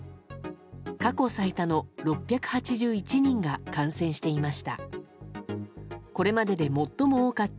過去最多の６８１人が感染していました。